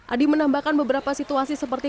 adi menambahkan beberapa situasi seperti